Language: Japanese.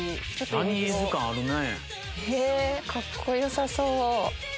ジャニーズ感あるね。